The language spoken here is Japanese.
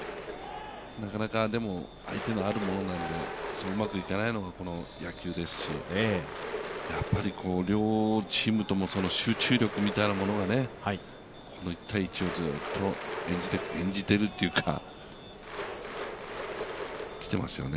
なかなか相手のあることなんでそううまくいかないのが野球ですしやっぱり両チームとも集中力みたいなところが、１−１をずーっと演じてるというか、来てますよね。